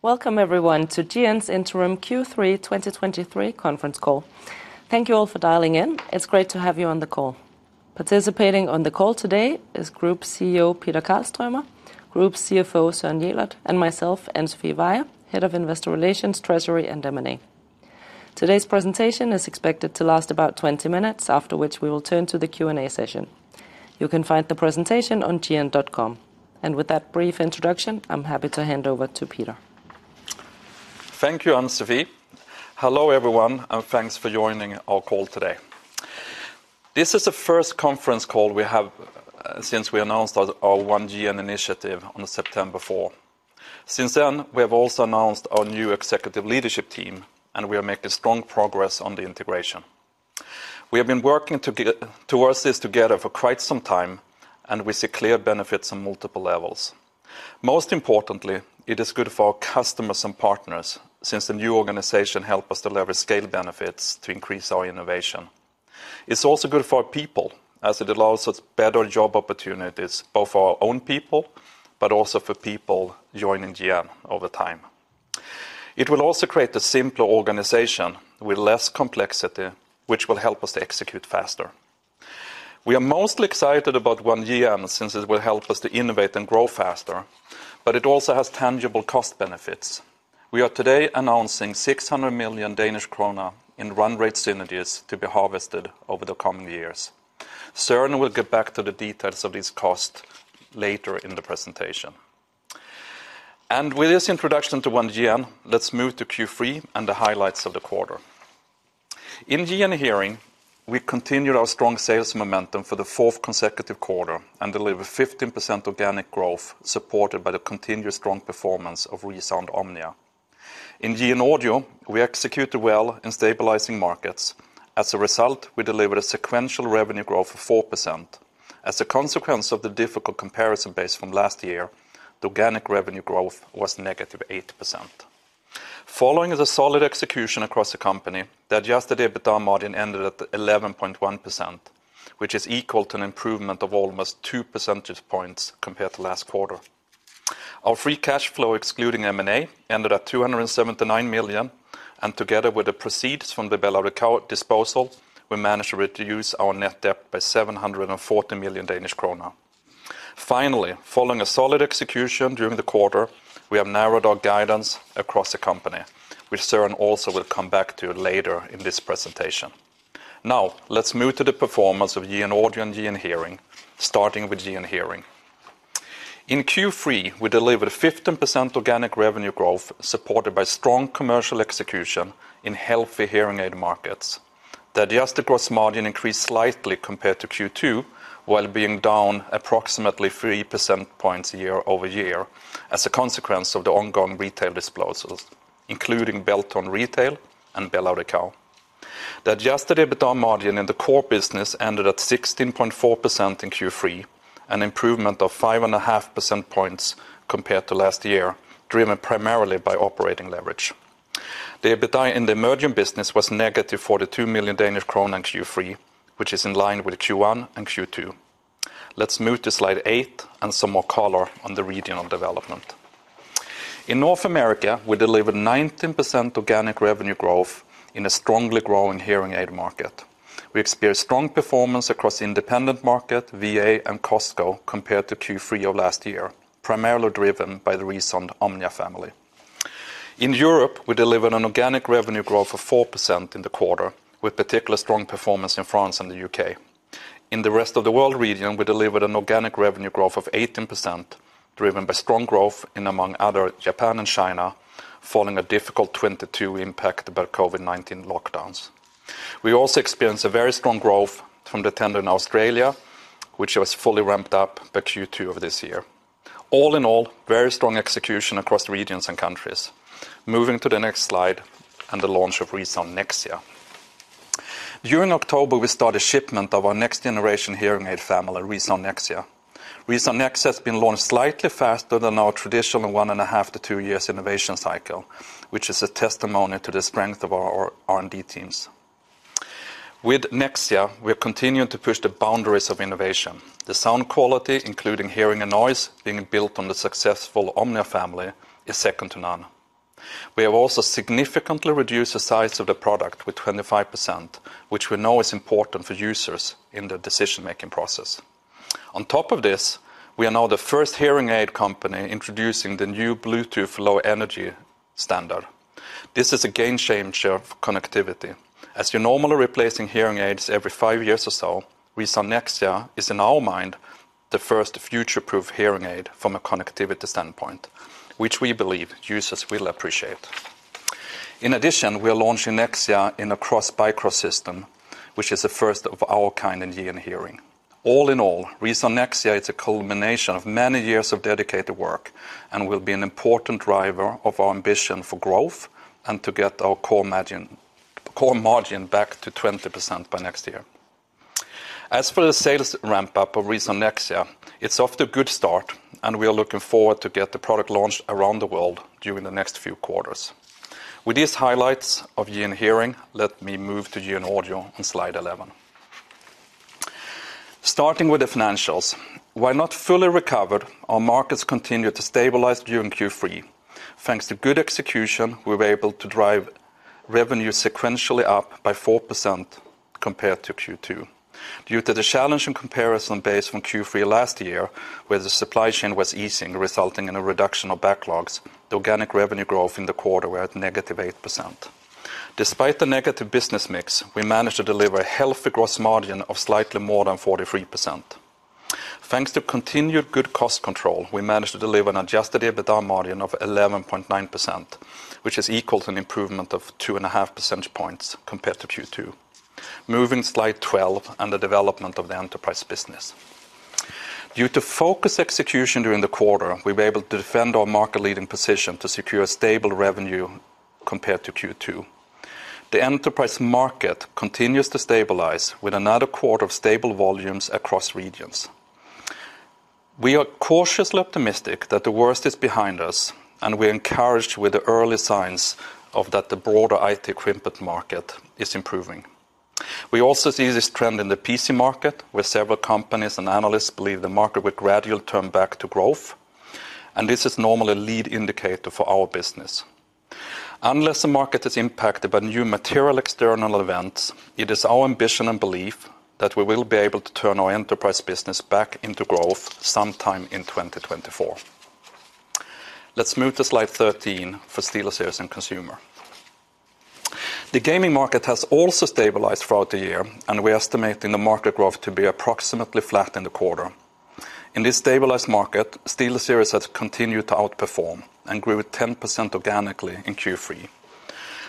Welcome everyone to GN's Interim Q3 2023 conference call. Thank you all for dialing in. It's great to have you on the call. Participating on the call today is Group CEO, Peter Karlströmer, Group CFO, Søren Jelert, and myself, Anne Sofie Staunsbæk Veyhe, Head of Investor Relations, Treasury, and M&A. Today's presentation is expected to last about 20 minutes, after which we will turn to the Q&A session. You can find the presentation on gn.com. With that brief introduction, I'm happy to hand over to Peter. Thank you, Anne Sofie. Hello, everyone, and thanks for joining our call today. This is the first conference call we have since we announced our One GN initiative on September 4. Since then, we have also announced our new executive leadership team, and we are making strong progress on the integration. We have been working towards this together for quite some time, and we see clear benefits on multiple levels. Most importantly, it is good for our customers and partners since the new organization help us to leverage scale benefits to increase our innovation. It's also good for our people, as it allows us better job opportunities, both for our own people, but also for people joining GN over time. It will also create a simpler organization with less complexity, which will help us to execute faster. We are mostly excited about One GN since it will help us to innovate and grow faster, but it also has tangible cost benefits. We are today announcing 600 million Danish krone in run rate synergies to be harvested over the coming years. Søren will get back to the details of this cost later in the presentation. With this introduction to One GN, let's move to Q3 and the highlights of the quarter. In GN Hearing, we continued our strong sales momentum for the fourth consecutive quarter and delivered 15% organic growth, supported by the continuous strong performance of ReSound OMNIA. In GN Audio, we executed well in stabilizing markets. As a result, we delivered a sequential revenue growth of 4%. As a consequence of the difficult comparison base from last year, the organic revenue growth was -8%. Following the solid execution across the company, the adjusted EBITA margin ended at 11.1%, which is equal to an improvement of almost two percentage points compared to last quarter. Our free cash flow, excluding M&A, ended at 279 million, and together with the proceeds from the BelAudição disposal, we managed to reduce our net debt by 740 million Danish kroner. Finally, following a solid execution during the quarter, we have narrowed our guidance across the company, which Søren also will come back to later in this presentation. Now, let's move to the performance of GN Audio and GN Hearing, starting with GN Hearing. In Q3, we delivered a 15% organic revenue growth, supported by strong commercial execution in healthy hearing aid markets. The adjusted gross margin increased slightly compared to Q2, while being down approximately 3 percentage points year-over-year, as a consequence of the ongoing retail disclosures, including Beltone Retail and BelAudição. The adjusted EBITA margin in the core business ended at 16.4% in Q3, an improvement of 5.5 percentage points compared to last year, driven primarily by operating leverage. The EBITA in the emerging business was -42 million Danish krone in Q3, which is in line with Q1 and Q2. Let's move to slide eight and some more color on the regional development. In North America, we delivered 19% organic revenue growth in a strongly growing hearing aid market. We experienced strong performance across independent market, VA, and Costco compared to Q3 of last year, primarily driven by the ReSound OMNIA family. In Europe, we delivered an organic revenue growth of 4% in the quarter, with particularly strong performance in France and the U.K.. In the rest of the world region, we delivered an organic revenue growth of 18%, driven by strong growth in, among other, Japan and China, following a difficult 2022 impact by COVID-19 lockdowns. We also experienced a very strong growth from the tender in Australia, which was fully ramped up by Q2 of this year. All in all, very strong execution across the regions and countries. Moving to the next slide and the launch of ReSound Nexia. During October, we started shipment of our next generation hearing aid family, ReSound Nexia. ReSound Nexia has been launched slightly faster than our traditional one and a half to two years innovation cycle, which is a testimony to the strength of our R&D teams. With Nexia, we have continued to push the boundaries of innovation. The sound quality, including hearing and noise, being built on the successful OMNIA family, is second to none. We have also significantly reduced the size of the product with 25%, which we know is important for users in the decision-making process. On top of this, we are now the first hearing aid company introducing the new Bluetooth Low Energy standard. This is a game changer for connectivity. As you're normally replacing hearing aids every five years or so, ReSound Nexia is, in our mind, the first future-proof hearing aid from a connectivity standpoint, which we believe users will appreciate. In addition, we are launching Nexia in a CROS mic system, which is the first of our kind in GN Hearing. All in all, ReSound Nexia is a culmination of many years of dedicated work and will be an important driver of our ambition for growth and to get our core margin, core margin back to 20% by next year. As for the sales ramp-up of ReSound Nexia, it's off to a good start, and we are looking forward to get the product launched around the world during the next few quarters. With these highlights of GN Hearing, let me move to GN Audio on slide 11. Starting with the financials. While not fully recovered, our markets continued to stabilize during Q3. Thanks to good execution, we were able to drive revenue sequentially up by 4% compared to Q2. Due to the challenging comparison base from Q3 last year, where the supply chain was easing, resulting in a reduction of backlogs, the organic revenue growth in the quarter were at -8%. Despite the negative business mix, we managed to deliver a healthy gross margin of slightly more than 43%. Thanks to continued good cost control, we managed to deliver an adjusted EBITDA margin of 11.9%, which is equal to an improvement of 2.5 percentage points compared to Q2. Moving slide 12, and the development of the enterprise business. Due to focused execution during the quarter, we were able to defend our market-leading position to secure a stable revenue compared to Q2. The enterprise market continues to stabilize with another quarter of stable volumes across regions. We are cautiously optimistic that the worst is behind us, and we're encouraged with the early signs of that the broader IT equipment market is improving. We also see this trend in the PC market, where several companies and analysts believe the market will gradually turn back to growth, and this is normally a lead indicator for our business. Unless the market is impacted by new material external events, it is our ambition and belief that we will be able to turn our enterprise business back into growth sometime in 2024. Let's move to slide 13 for SteelSeries and Consumer. The gaming market has also stabilized throughout the year, and we are estimating the market growth to be approximately flat in the quarter. In this stabilized market, SteelSeries has continued to outperform and grew 10% organically in Q3.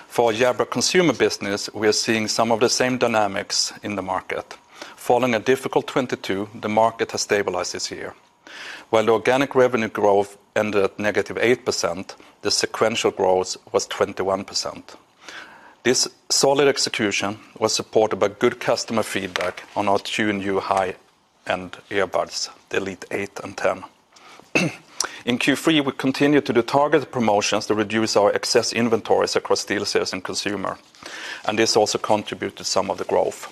For Jabra consumer business, we are seeing some of the same dynamics in the market. Following a difficult 2022, the market has stabilized this year. While the organic revenue growth ended at -8%, the sequential growth was 21%. This solid execution was supported by good customer feedback on our two new high-end earbuds, the Elite Eight and Ten. In Q3, we continued to do targeted promotions to reduce our excess inventories across SteelSeries and Consumer, and this also contributed to some of the growth.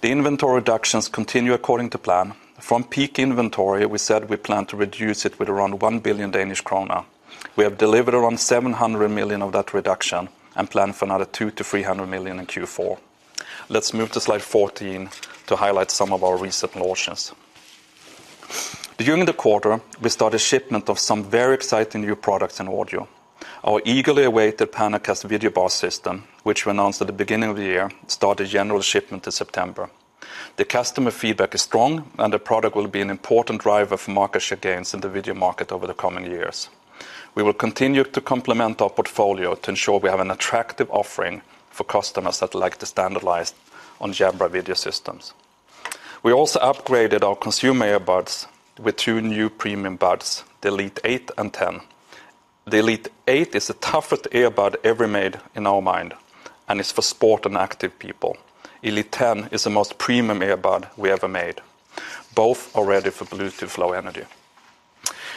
The inventory reductions continue according to plan. From peak inventory, we said we plan to reduce it with around 1 billion Danish krone. We have delivered around 700 million of that reduction and plan for another 200 million-300 million in Q4. Let's move to slide 14 to highlight some of our recent launches. During the quarter, we started shipment of some very exciting new products in audio. Our eagerly awaited PanaCast video bar system, which we announced at the beginning of the year, started general shipment in September. The customer feedback is strong, and the product will be an important driver for market share gains in the video market over the coming years. We will continue to complement our portfolio to ensure we have an attractive offering for customers that like to standardize on Jabra video systems. We also upgraded our consumer earbuds with 2 new premium buds, the Elite Eight and Ten. The Elite Eight is the toughest earbud ever made in our mind and is for sport and active people. Elite Ten is the most premium earbud we ever made. Both are ready for Bluetooth Low Energy.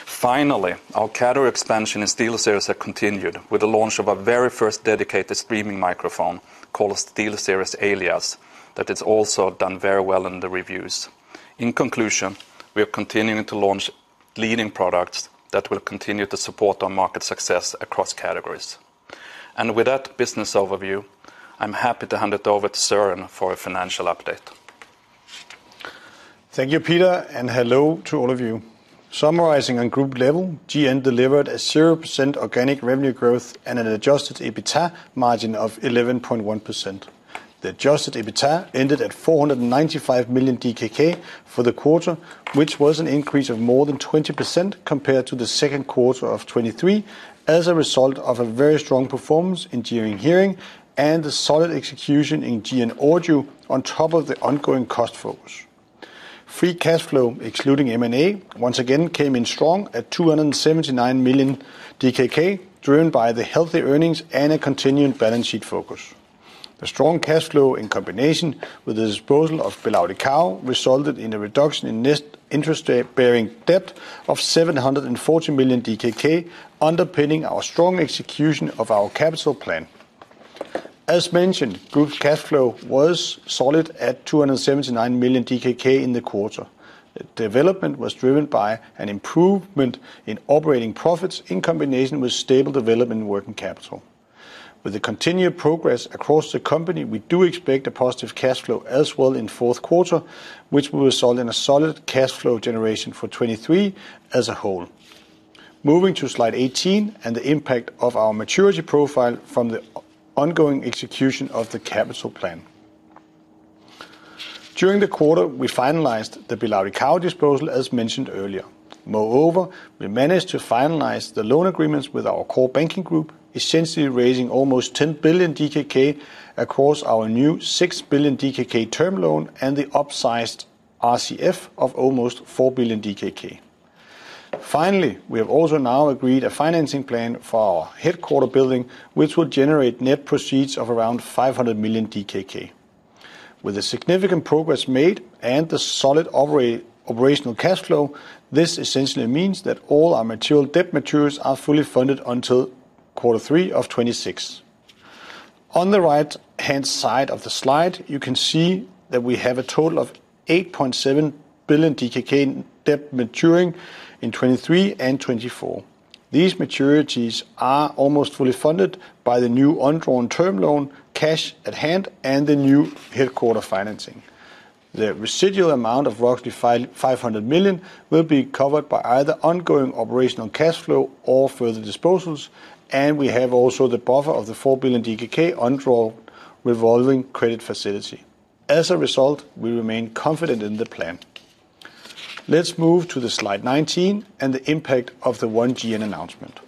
Finally, our category expansion in SteelSeries has continued with the launch of our very first dedicated streaming microphone, called SteelSeries Alias, that has also done very well in the reviews. In conclusion, we are continuing to launch leading products that will continue to support our market success across categories. With that business overview, I'm happy to hand it over to Søren for a financial update. Thank you, Peter, and hello to all of you. Summarizing on group level, GN delivered a 0% organic revenue growth and an adjusted EBITDA margin of 11.1%. The adjusted EBITDA ended at 495 million DKK for the quarter, which was an increase of more than 20% compared to the second quarter of 2023, as a result of a very strong performance in Hearing and a solid execution in GN Audio on top of the ongoing cost focus. Free cash flow, excluding M&A, once again came in strong at 279 million DKK, driven by the healthy earnings and a continued balance sheet focus. The strong cash flow, in combination with the disposal of BelAudição, resulted in a reduction in net interest-bearing debt of 740 million DKK, underpinning our strong execution of our capital plan. As mentioned, group cash flow was solid at 279 million DKK in the quarter. The development was driven by an improvement in operating profits in combination with stable development in working capital. With the continued progress across the company, we do expect a positive cash flow as well in fourth quarter, which will result in a solid cash flow generation for 2023 as a whole. Moving to slide 18 and the impact of our maturity profile from the ongoing execution of the capital plan. During the quarter, we finalized the BelAudição disposal, as mentioned earlier. Moreover, we managed to finalize the loan agreements with our core banking group, essentially raising almost 10 billion DKK across our new 6 billion DKK term loan and the upsized RCF of almost 4 billion DKK. Finally, we have also now agreed a financing plan for our headquarters building, which will generate net proceeds of around 500 million DKK. With the significant progress made and the solid operational cash flow, this essentially means that all our material debt maturities are fully funded until Q3 2026. On the right-hand side of the slide, you can see that we have a total of 8.7 billion DKK in debt maturing in 2023 and 2024. These maturities are almost fully funded by the new undrawn term loan, cash at hand, and the new headquarters financing. The residual amount of roughly 500 million will be covered by either ongoing operational cash flow or further disposals, and we have also the buffer of the 4 billion DKK undrawn revolving credit facility. As a result, we remain confident in the plan. Let's move to slide 19 and the impact of the One GN announcement.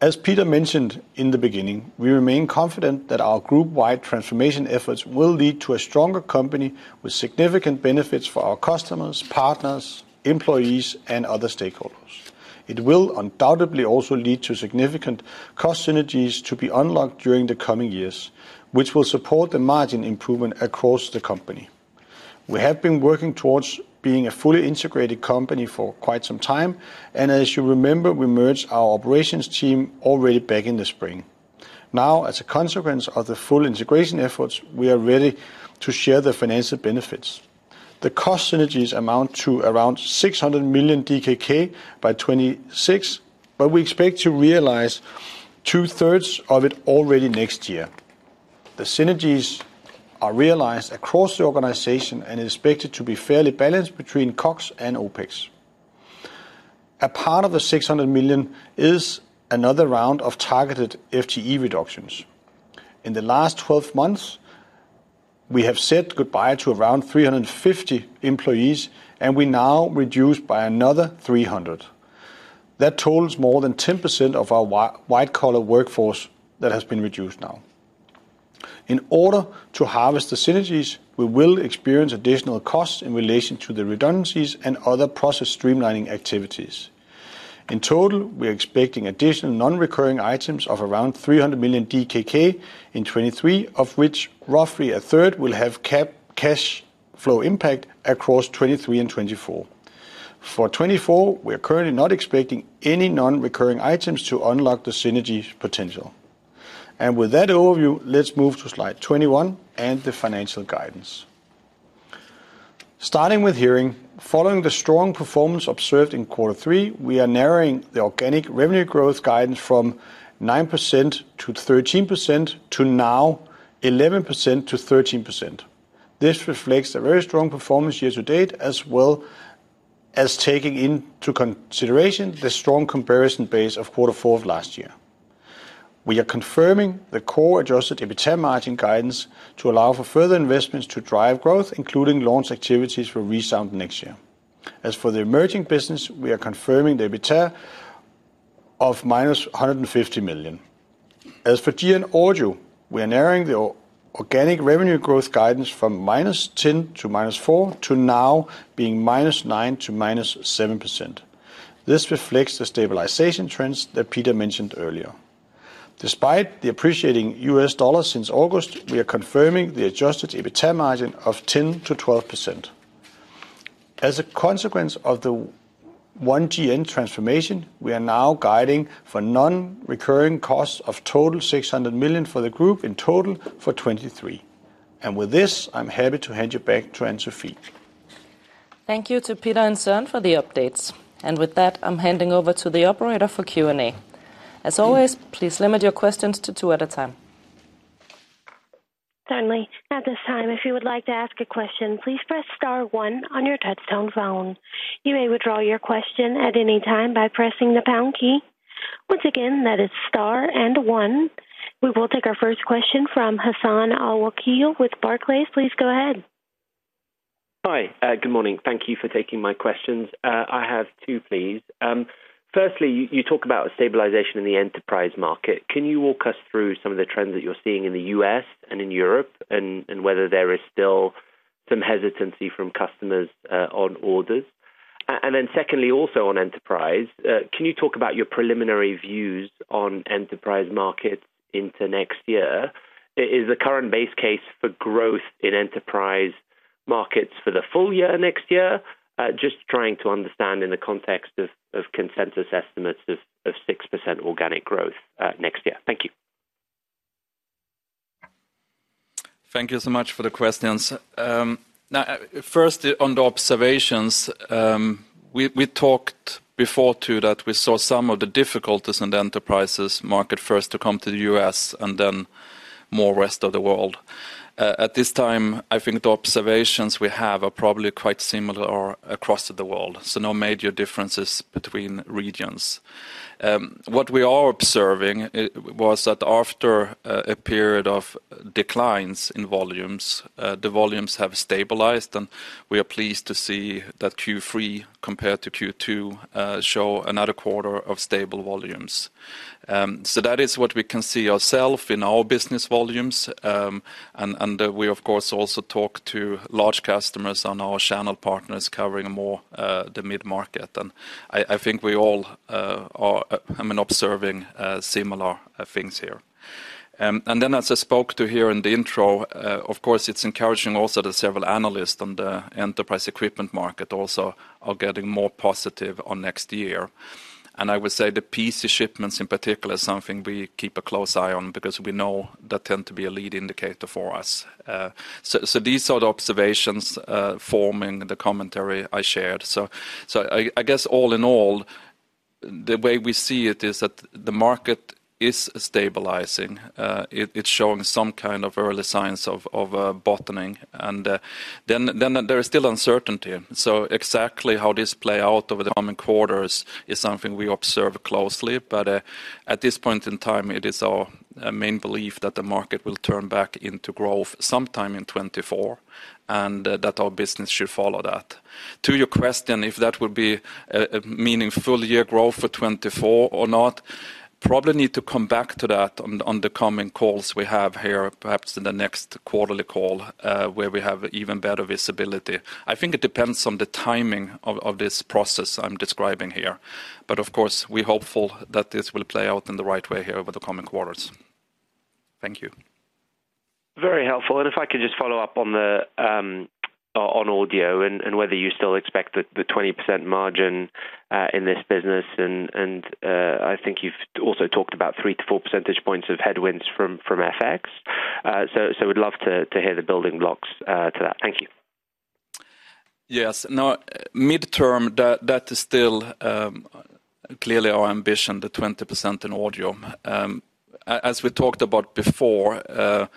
As Peter mentioned in the beginning, we remain confident that our group-wide transformation efforts will lead to a stronger company with significant benefits for our customers, partners, employees, and other stakeholders. It will undoubtedly also lead to significant cost synergies to be unlocked during the coming years, which will support the margin improvement across the company. We have been working towards being a fully integrated company for quite some time, and as you remember, we merged our operations team already back in the spring. Now, as a consequence of the full integration efforts, we are ready to share the financial benefits. The cost synergies amount to around 600 million DKK by 2026, but we expect to realize two-thirds of it already next year. The synergies are realized across the organization and is expected to be fairly balanced between CapEx and OpEx. A part of the 600 million is another round of targeted FTE reductions. In the last twelve months, we have said goodbye to around 350 employees, and we now reduce by another 300. That totals more than 10% of our white-collar workforce that has been reduced now. In order to harvest the synergies, we will experience additional costs in relation to the redundancies and other process streamlining activities. In total, we are expecting additional non-recurring items of around 300 million DKK in 2023, of which roughly a third will have cash flow impact across 2023 and 2024. For 2024, we are currently not expecting any non-recurring items to unlock the synergy potential. With that overview, let's move to slide 21 and the financial guidance. Starting with hearing, following the strong performance observed in quarter three, we are narrowing the organic revenue growth guidance from 9%-13%, to now 11%-13%. This reflects the very strong performance year to date, as well as taking into consideration the strong comparison base of quarter four of last year. We are confirming the core adjusted EBITA margin guidance to allow for further investments to drive growth, including launch activities for ReSound Nexia. As for the emerging business, we are confirming the EBITA of -150 million. As for GN Audio, we are narrowing the organic revenue growth guidance from -10% to -4%, to now being -9% to -7%. This reflects the stabilization trends that Peter mentioned earlier. Despite the appreciating US dollar since August, we are confirming the adjusted EBITA margin of 10%-12%. As a consequence of the One GN transformation, we are now guiding for non-recurring costs of total 600 million for the group in total for 2023. And with this, I'm happy to hand you back to Ann-Sofie. Thank you to Peter and Søren for the updates. With that, I'm handing over to the operator for Q&A. As always, please limit your questions to two at a time. Certainly. At this time, if you would like to ask a question, please press star one on your touchtone phone. You may withdraw your question at any time by pressing the pound key. Once again, that is star and one. We will take our first question from Hassan Al-Wakeel with Barclays. Please go ahead. Hi, good morning. Thank you for taking my questions. I have two, please. Firstly, you talk about stabilization in the enterprise market. Can you walk us through some of the trends that you're seeing in the U.S. and in Europe, and whether there is still some hesitancy from customers on orders? And then secondly, also on enterprise, can you talk about your preliminary views on enterprise markets into next year? Is the current base case for growth in enterprise markets for the full year next year? Just trying to understand in the context of consensus estimates of 6% organic growth next year. Thank you. Thank you so much for the questions. Now, first, on the observations, we talked before, too, that we saw some of the difficulties in the enterprises market first to come to the U.S. and then more rest of the world. At this time, I think the observations we have are probably quite similar or across the world, so no major differences between regions. What we are observing was that after a period of declines in volumes, the volumes have stabilized, and we are pleased to see that Q3, compared to Q2, show another quarter of stable volumes. So that is what we can see ourselves in our business volumes. And we, of course, also talk to large customers on our channel partners covering more the mid-market. And I, I think we all are, I mean, observing similar things here. And then, as I spoke to here in the intro, of course, it's encouraging also that several analysts on the enterprise equipment market also are getting more positive on next year. ...And I would say the PC shipments in particular is something we keep a close eye on, because we know that tend to be a lead indicator for us. So these are the observations forming the commentary I shared. So I guess all in all, the way we see it is that the market is stabilizing. It’s showing some kind of early signs of bottoming, and then there is still uncertainty. So exactly how this play out over the coming quarters is something we observe closely, but at this point in time, it is our main belief that the market will turn back into growth sometime in 2024, and that our business should follow that. To your question, if that would be a meaningful year growth for 2024 or not, probably need to come back to that on, on the coming calls we have here, perhaps in the next quarterly call, where we have even better visibility. I think it depends on the timing of, of this process I'm describing here. But of course, we're hopeful that this will play out in the right way here over the coming quarters. Thank you. Very helpful. And if I could just follow up on the audio and whether you still expect the 20% margin in this business, and I think you've also talked about three to four percentage points of headwinds from FX. So we'd love to hear the building blocks to that. Thank you. Yes. Now, midterm, that is still clearly our ambition, the 20% in audio. As we talked about before,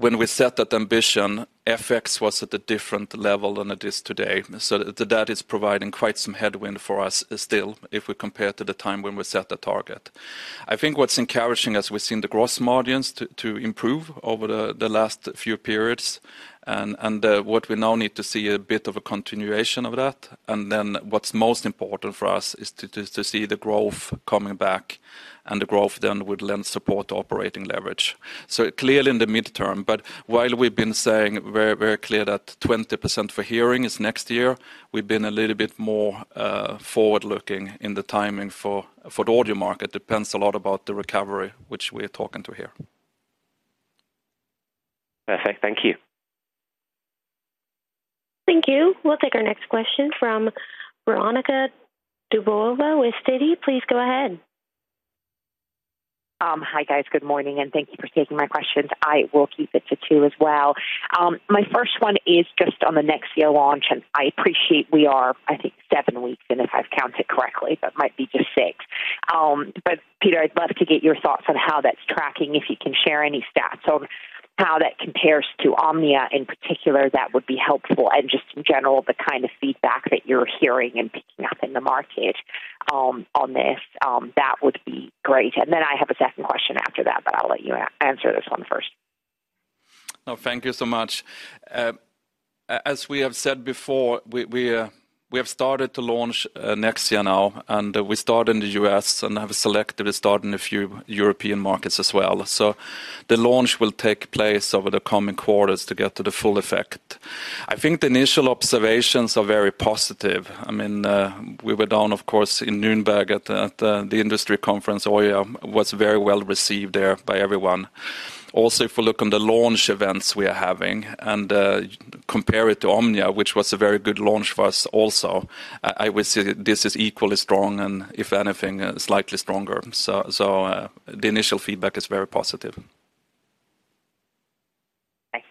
when we set that ambition, FX was at a different level than it is today, so that is providing quite some headwind for us still, if we compare to the time when we set the target. I think what's encouraging, as we've seen the gross margins to improve over the last few periods, and what we now need to see a bit of a continuation of that. And then what's most important for us is to see the growth coming back, and the growth then would lend support operating leverage. So clearly in the midterm, but while we've been saying very, very clear that 20% for hearing is next year, we've been a little bit more, forward-looking in the timing for, for the audio market. Depends a lot about the recovery, which we're talking to here. Perfect. Thank you. Thank you. We'll take our next question from Veronika Dubajova with Citi. Please go ahead. Hi, guys. Good morning, and thank you for taking my questions. I will keep it to two as well. My first one is just on the Nexia launch, and I appreciate we are, I think, seven weeks in, if I've counted correctly, but might be just six. But Peter, I'd love to get your thoughts on how that's tracking, if you can share any stats on how that compares to Omnia in particular, that would be helpful. And just in general, the kind of feedback that you're hearing and picking up in the market, on this, that would be great. And then I have a second question after that, but I'll let you answer this one first. Oh, thank you so much. As we have said before, we have started to launch Nexia now, and we start in the U.S., and have selectively started in a few European markets as well. So the launch will take place over the coming quarters to get to the full effect. I think the initial observations are very positive. I mean, we were down, of course, in Nuremberg at the industry conference. Omnia was very well received there by everyone. Also, if you look on the launch events we are having and compare it to Omnia, which was a very good launch for us also, I would say this is equally strong and, if anything, slightly stronger. So, the initial feedback is very positive.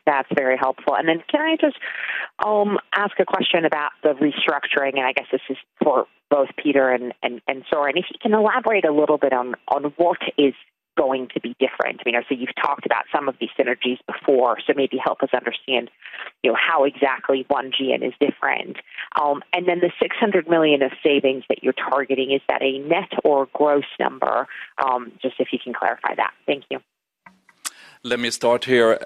That's very helpful. And then can I just ask a question about the restructuring? And I guess this is for both Peter and Søren. If you can elaborate a little bit on what is going to be different. I mean, I've seen you've talked about some of these synergies before, so maybe help us understand, you know, how exactly One GN is different. And then the 600 million of savings that you're targeting, is that a net or gross number? Just if you can clarify that. Thank you. Let me start here.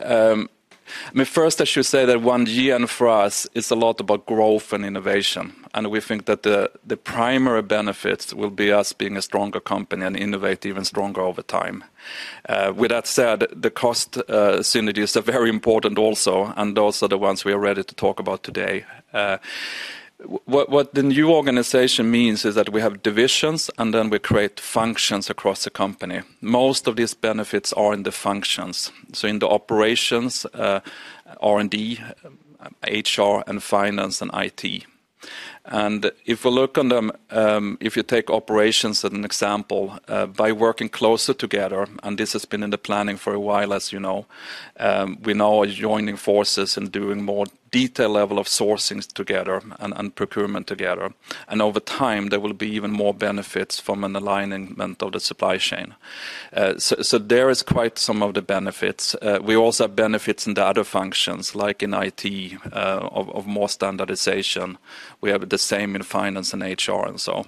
I mean, first, I should say that One GN for us is a lot about growth and innovation, and we think that the primary benefits will be us being a stronger company and innovate even stronger over time. With that said, the cost synergies are very important also, and also the ones we are ready to talk about today. What the new organization means is that we have divisions, and then we create functions across the company. Most of these benefits are in the functions. So in the operations, R&D, HR, and finance, and IT. If we look on them, if you take operations as an example, by working closer together, and this has been in the planning for a while, as you know, we now are joining forces and doing more detailed level of sourcings together and procurement together. And over time, there will be even more benefits from an alignment of the supply chain. So there is quite some of the benefits. We also have benefits in the other functions, like in IT, of more standardization. We have the same in finance and HR and so on.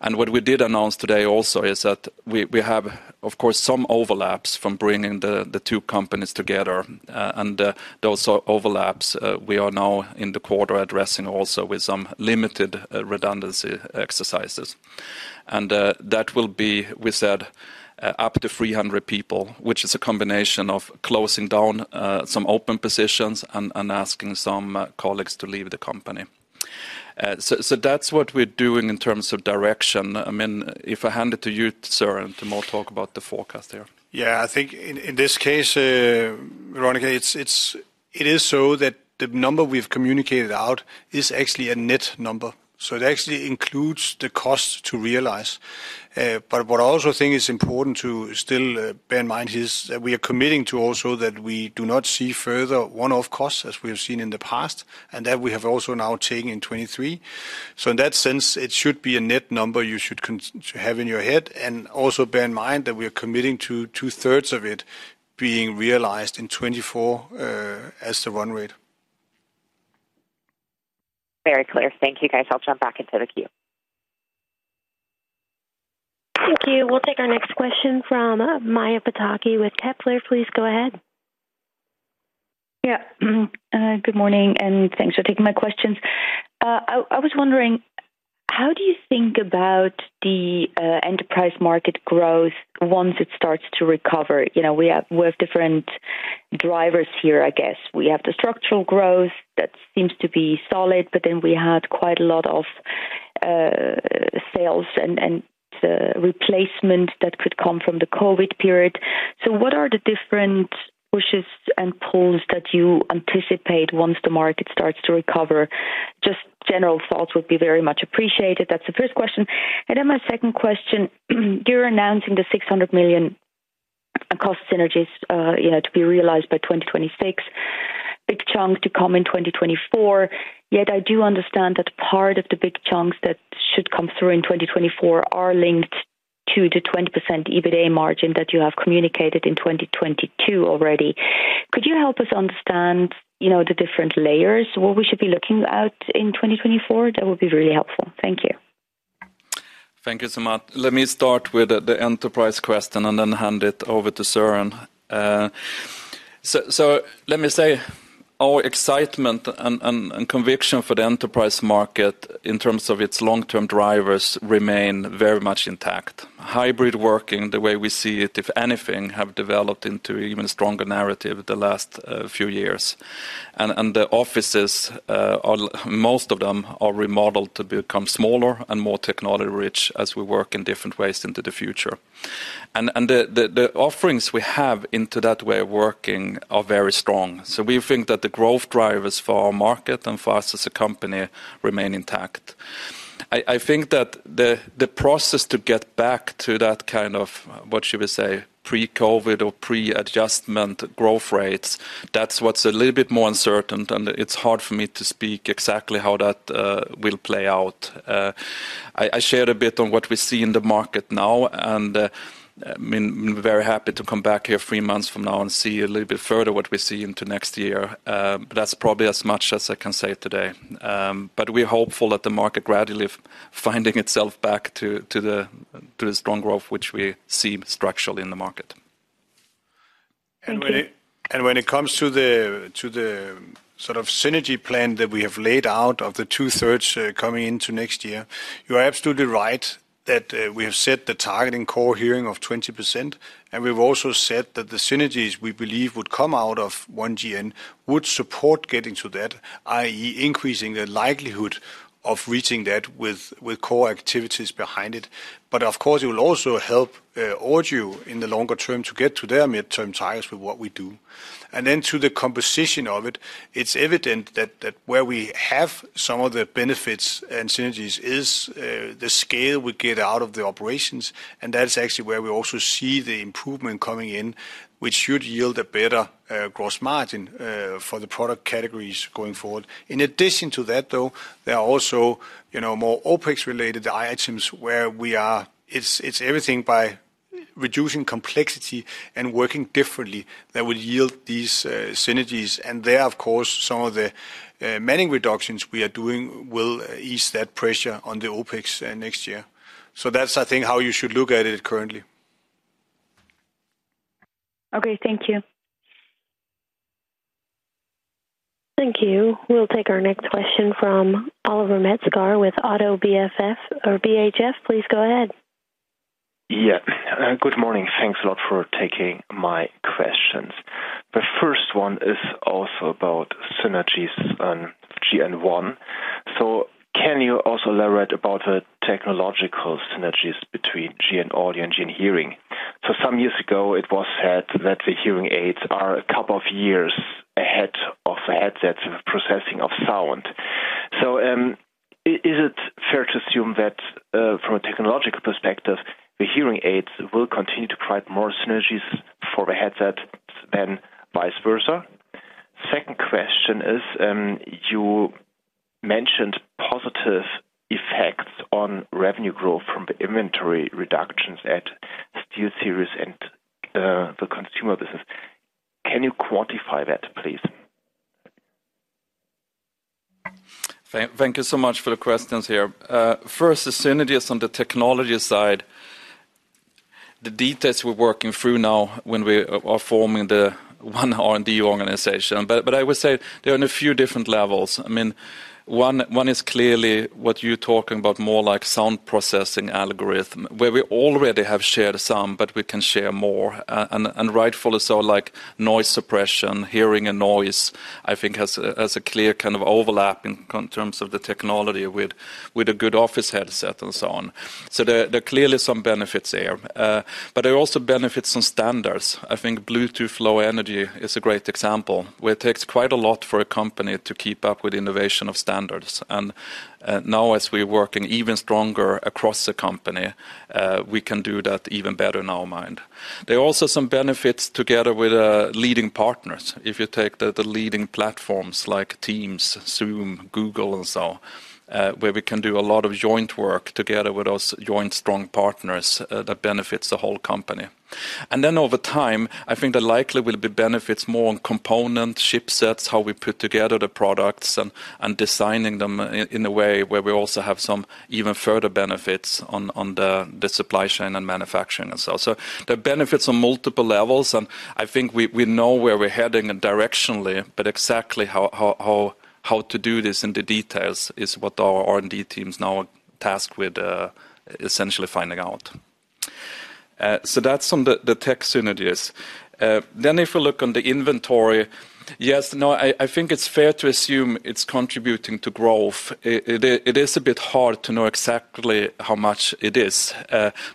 And what we did announce today also is that we have, of course, some overlaps from bringing the two companies together, and those overlaps we are now in the quarter addressing also with some limited redundancy exercises. That will be, we said, up to 300 people, which is a combination of closing down some open positions and asking some colleagues to leave the company. So that's what we're doing in terms of direction. I mean, if I hand it to you, Søren, to more talk about the forecast here. Yeah, I think in this case, Veronika, it's-... It is so that the number we've communicated out is actually a net number, so it actually includes the cost to realize. But what I also think is important to still bear in mind is that we are committing to also that we do not see further one-off costs as we have seen in the past, and that we have also now taken in 2023. So in that sense, it should be a net number you should have in your head, and also bear in mind that we are committing to two-thirds of it being realized in 2024, as the run rate. Very clear. Thank you, guys. I'll jump back into the queue. Thank you. We'll take our next question from Maja Pataki with Kepler. Please go ahead. Yeah. Good morning, and thanks for taking my questions. I was wondering, how do you think about the enterprise market growth once it starts to recover? You know, we have, we have different drivers here, I guess. We have the structural growth, that seems to be solid, but then we had quite a lot of sales and replacement that could come from the COVID period. So what are the different pushes and pulls that you anticipate once the market starts to recover? Just general thoughts would be very much appreciated. That's the first question. And then my second question, you're announcing the 600 million cost synergies, you know, to be realized by 2026, big chunk to come in 2024. Yet I do understand that part of the big chunks that should come through in 2024 are linked to the 20% EBITA margin that you have communicated in 2022 already. Could you help us understand, you know, the different layers, what we should be looking at in 2024? That would be really helpful. Thank you. Thank you so much. Let me start with the enterprise question and then hand it over to Søren. So let me say, our excitement and conviction for the enterprise market in terms of its long-term drivers remain very much intact. Hybrid working, the way we see it, if anything, have developed into an even stronger narrative the last few years. And the offerings we have into that way of working are very strong. So we think that the growth drivers for our market and for us as a company remain intact. I think that the process to get back to that kind of, what should we say, pre-COVID or pre-adjustment growth rates, that's what's a little bit more uncertain, and it's hard for me to speak exactly how that will play out. I shared a bit on what we see in the market now, and I mean, I'm very happy to come back here three months from now and see a little bit further what we see into next year. But that's probably as much as I can say today. But we're hopeful that the market gradually finding itself back to the strong growth, which we see structurally in the market. Thank you. And when it comes to the sort of synergy plan that we have laid out of the two-thirds coming into next year, you are absolutely right that we have set the target in core hearing of 20%, and we've also said that the synergies we believe would come out of One GN would support getting to that, i.e., increasing the likelihood of reaching that with core activities behind it. But of course, it will also help Audio in the longer term to get to their midterm targets with what we do. And then to the composition of it, it's evident that where we have some of the benefits and synergies is the scale we get out of the operations, and that is actually where we also see the improvement coming in, which should yield a better gross margin for the product categories going forward. In addition to that, though, there are also, you know, more OpEx-related items where we are it's everything by reducing complexity and working differently that will yield these synergies. And there, of course, some of the manning reductions we are doing will ease that pressure on the OpEx next year. So that's, I think, how you should look at it currently. Okay. Thank you. Thank you. We'll take our next question from Oliver Metzger with Oddo BHF. Please go ahead. Yeah. Good morning. Thanks a lot for taking my questions. The first one is also about synergies on GN One. So can you also elaborate about the technological synergies between GN Audio and GN Hearing? So some years ago, it was said that the hearing aids are a couple of years ahead of the headsets of processing of sound. So, is it fair to assume that, from a technological perspective, the hearing aids will continue to provide more synergies for the headsets and vice versa? Second question is, you mentioned positive effects on revenue growth from the inventory reductions at SteelSeries and, the consumer business. Can you quantify that, please? Thank you so much for the questions here. First, the synergies on the technology side, the details we're working through now when we are forming the one R&D organization. But I would say they're on a few different levels. I mean, one is clearly what you're talking about, more like sound processing algorithm, where we already have shared some, but we can share more. And rightfully so, like noise suppression, hearing and noise, I think has a clear kind of overlap in terms of the technology with a good office headset and so on. So there are clearly some benefits there. But there are also benefits on standards. I think Bluetooth Low Energy is a great example, where it takes quite a lot for a company to keep up with innovation of standards. Now as we're working even stronger across the company, we can do that even better in our mind. There are also some benefits together with leading partners. If you take the leading platforms like Teams, Zoom, Google, and so on, where we can do a lot of joint work together with those joint strong partners, that benefits the whole company. Then over time, I think there likely will be benefits more on component, chipsets, how we put together the products and designing them in a way where we also have some even further benefits on the supply chain and manufacturing itself. So there are benefits on multiple levels, and I think we know where we're heading directionally, but exactly how to do this in the details is what our R&D teams now are tasked with, essentially finding out. So that's on the tech synergies. Then if you look on the inventory, yes, I think it's fair to assume it's contributing to growth. It is a bit hard to know exactly how much it is.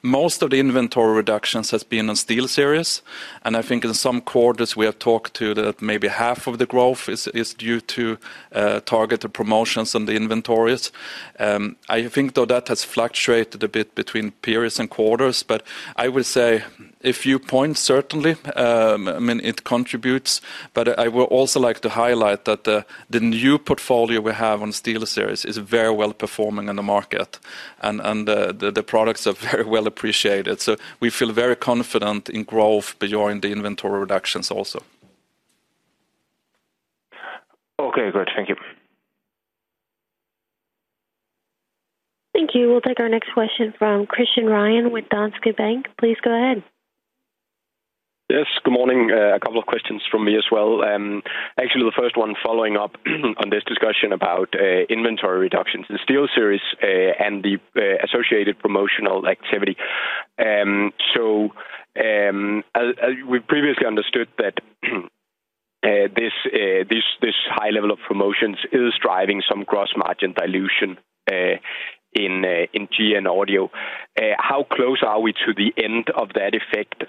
Most of the inventory reductions has been on SteelSeries, and I think in some quarters we have talked to that maybe half of the growth is due to targeted promotions on the inventories. I think, though, that has fluctuated a bit between periods and quarters, but I would say a few points, certainly, I mean, it contributes. But I would also like to highlight that the new portfolio we have on SteelSeries is very well performing in the market, and the products are very well appreciated. So we feel very confident in growth beyond the inventory reductions also. Okay, good. Thank you. Thank you. We'll take our next question from Christian Ryom with Danske Bank. Please go ahead. Yes, good morning. A couple of questions from me as well. Actually, the first one following up on this discussion about inventory reductions, the SteelSeries, and the associated promotional activity. So, as we previously understood that, this high level of promotions is driving some gross margin dilution in GN Audio. How close are we to the end of that effect?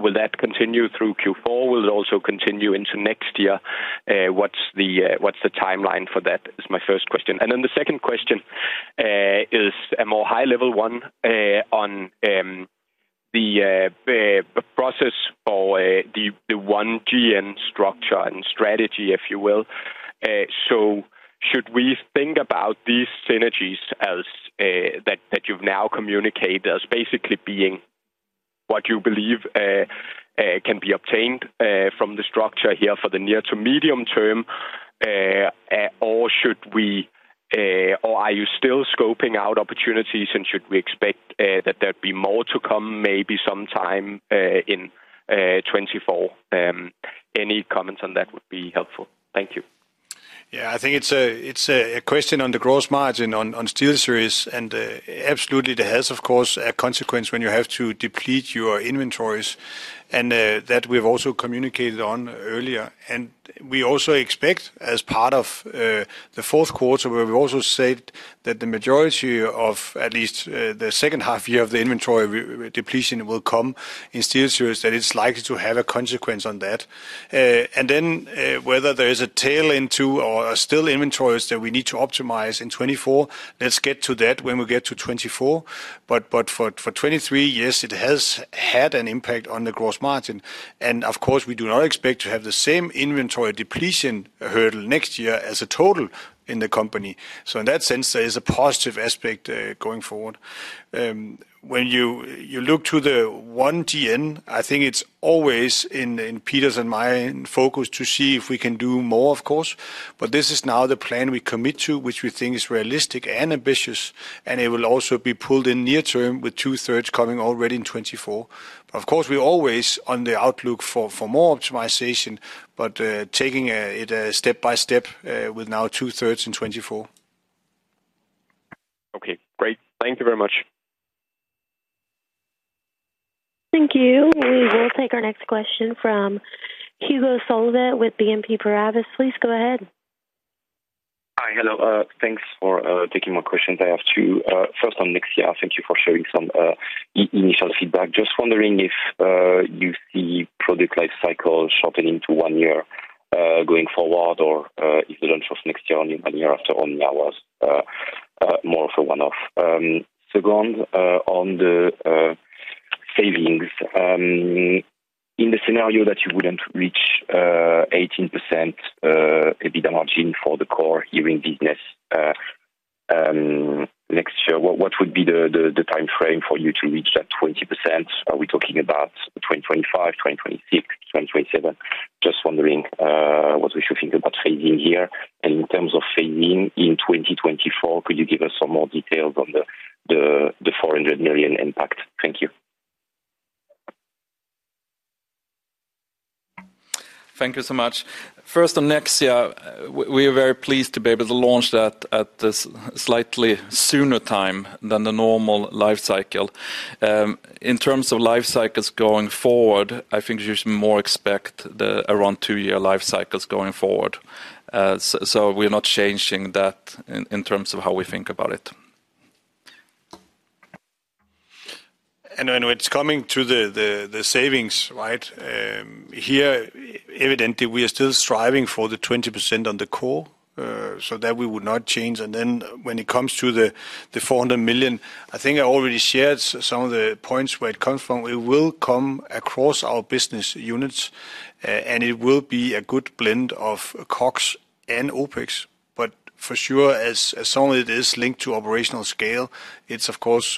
Will that continue through Q4? Will it also continue into next year? What's the timeline for that? Is my first question. And then the second question is a more high-level one on the process for the One GN structure and strategy, if you will. So should we think about these synergies as that you've now communicated as basically being what you believe can be obtained from the structure here for the near to medium term? Or are you still scoping out opportunities, and should we expect that there'd be more to come, maybe sometime in 2024? Any comments on that would be helpful. Thank you. Yeah, I think it's a question on the gross margin on SteelSeries, and absolutely, it has, of course, a consequence when you have to deplete your inventories, and that we've also communicated on earlier. And we also expect, as part of the fourth quarter, where we've also said that the majority of at least the second half year of the inventory re-depletion will come in SteelSeries, that it's likely to have a consequence on that. And then, whether there is a tail into or are still inventories that we need to optimize in 2024, let's get to that when we get to 2024. But for 2023, yes, it has had an impact on the gross margin. And of course, we do not expect to have the same inventory depletion hurdle next year as a total in the company. So in that sense, there is a positive aspect, going forward. When you look to the One GN, I think it's always in Peter's and my focus to see if we can do more, of course, but this is now the plan we commit to, which we think is realistic and ambitious, and it will also be pulled in near term, with two-thirds coming already in 2024. Of course, we're always on the lookout for more optimization, but taking it step by step, with now two-thirds in 2024. Okay, great. Thank you very much. Thank you. We will take our next question from Hugo Solvet with BNP Paribas. Please go ahead. Hi. Hello. Thanks for taking my questions. I have two. First, on next year, thank you for sharing some initial feedback. Just wondering if you see product life cycle shortening to one year going forward, or if the launch of next year and year after only now is more of a one-off? Second, on the savings, in the scenario that you wouldn't reach 18% EBITDA margin for the core hearing business... Next year, what would be the timeframe for you to reach that 20%? Are we talking about 2025, 2026, 2027? Just wondering what we should think about phasing here. And in terms of phasing in 2024, could you give us some more details on the 400 million impact? Thank you. Thank you so much. First, on next year, we are very pleased to be able to launch that at this slightly sooner time than the normal life cycle. In terms of life cycles going forward, I think you should more expect the around two-year life cycles going forward. So, we're not changing that in terms of how we think about it. When it's coming to the savings, right? Here, evidently, we are still striving for the 20% on the core, so that we would not change. And then when it comes to the 400 million, I think I already shared some of the points where it comes from. It will come across our business units, and it will be a good blend of CapEx and OpEx. But for sure, some of it is linked to operational scale, it's of course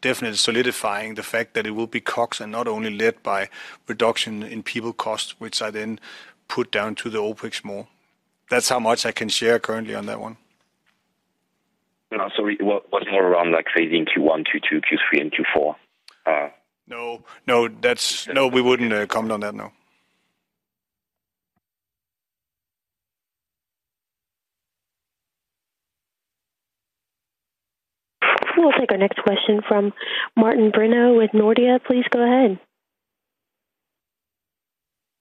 definitely solidifying the fact that it will be CapEx and not only led by reduction in people costs, which are then put down to the OpEx more. That's how much I can share currently on that one. So what, what more around, like, phasing Q1, Q2, Q3, and Q4? No, no, that's. No, we wouldn't comment on that, no. We'll take our next question from Martin Brenoe with Nordea. Please go ahead.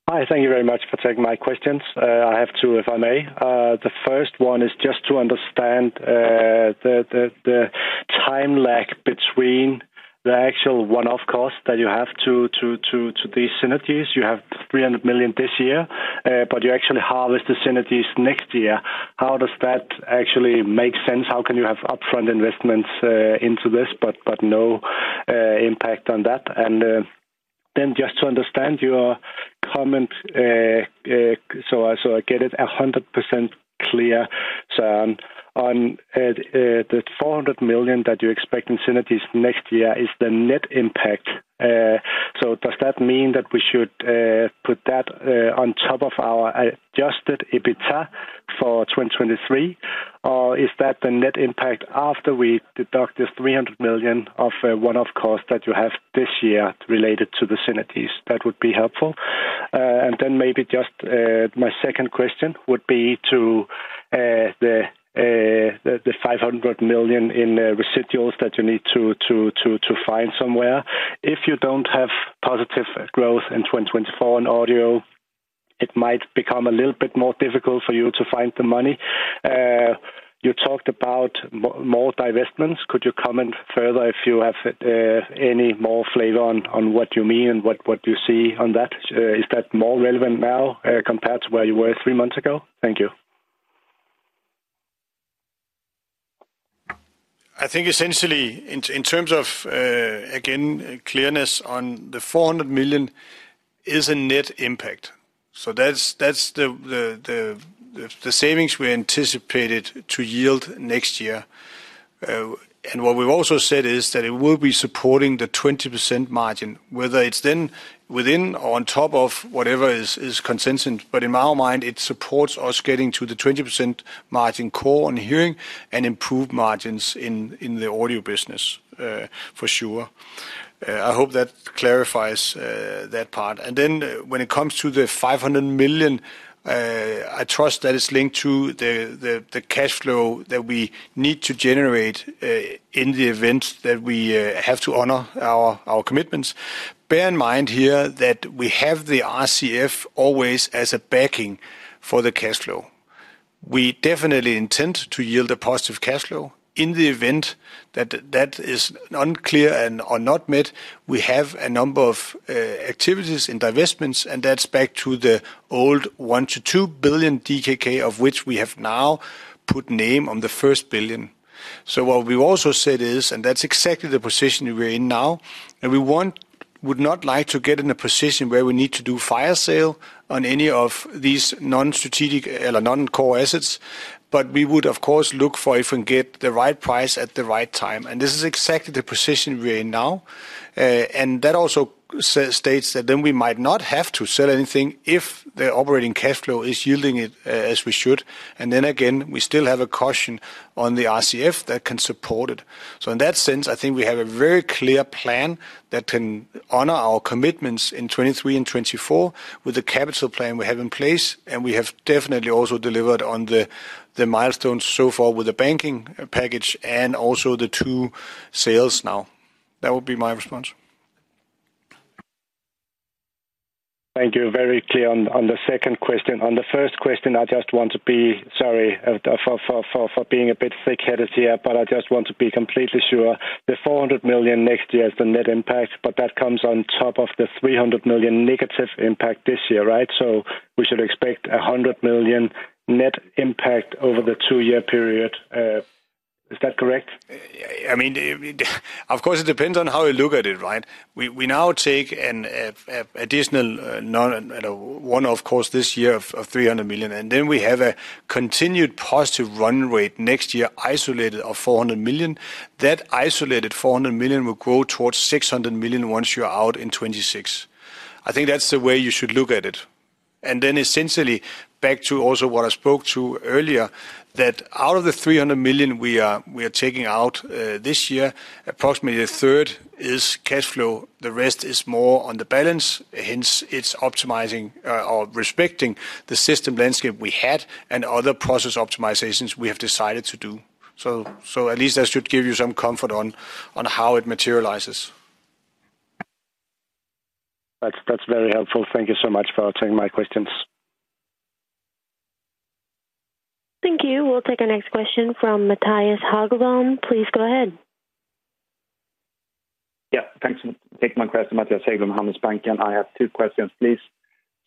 Hi, thank you very much for taking my questions. I have two, if I may. The first one is just to understand the time lag between the actual one-off cost that you have to these synergies. You have 300 million this year, but you actually harvest the synergies next year. How does that actually make sense? How can you have upfront investments into this, but no impact on that? And then just to understand your comment, so I get it 100% clear. So on the 400 million that you expect in synergies next year is the net impact. So does that mean that we should put that on top of our adjusted EBITDA for 2023? Or is that the net impact after we deduct this 300 million of one-off costs that you have this year related to the synergies? That would be helpful. And then maybe just my second question would be to the 500 million in residuals that you need to find somewhere. If you don't have positive growth in 2024 in audio, it might become a little bit more difficult for you to find the money. You talked about more divestments. Could you comment further if you have any more flavor on what you mean and what you see on that? Is that more relevant now compared to where you were three months ago? Thank you. I think essentially in terms of, again, clearness on the 400 million is a net impact. So that's the savings we anticipated to yield next year. And what we've also said is that it will be supporting the 20% margin, whether it's then within or on top of whatever is consistent. But in our mind, it supports us getting to the 20% margin core on hearing and improved margins in the audio business, for sure. I hope that clarifies that part. And then when it comes to the 500 million, I trust that it's linked to the cash flow that we need to generate in the event that we have to honor our commitments. Bear in mind here that we have the RCF always as a backing for the cash flow. We definitely intend to yield a positive cash flow. In the event that that is unclear and or not met, we have a number of activities in divestments, and that's back to the old 1 billion-2 billion DKK, of which we have now put name on the first billion. So what we've also said is, and that's exactly the position we're in now, and we would not like to get in a position where we need to do fire sale on any of these non-strategic or non-core assets, but we would, of course, look for if we get the right price at the right time. And this is exactly the position we're in now. And that also states that then we might not have to sell anything if the operating cash flow is yielding it, as we should. And then again, we still have a caution on the RCF that can support it. So in that sense, I think we have a very clear plan that can honor our commitments in 2023 and 2024 with the capital plan we have in place, and we have definitely also delivered on the milestones so far with the banking package and also the two sales now. That would be my response. Thank you. Very clear on the second question. On the first question, I just want to be, sorry, for being a bit thick-headed here, but I just want to be completely sure. The 400 million next year is the net impact, but that comes on top of the 300 million negative impact this year, right? So we should expect a 100 million net impact over the two-year period. Is that correct?... I mean, of course, it depends on how you look at it, right? We now take an additional non and a one-off cost this year of 300 million, and then we have a continued positive run rate next year, isolated of 400 million. That isolated 400 million will grow towards 600 million once you're out in 2026. I think that's the way you should look at it. And then essentially, back to also what I spoke to earlier, that out of the 300 million we are taking out this year, approximately a third is cash flow, the rest is more on the balance. Hence, it's optimizing or respecting the system landscape we had and other process optimizations we have decided to do. So at least that should give you some comfort on how it materializes. That's very helpful. Thank you so much for answering my questions. Thank you. We'll take our next question from Matthias Haggblom. Please go ahead. Yeah, thanks for taking my question, Matthias Haggblom, Danske Bank, and I have two questions, please.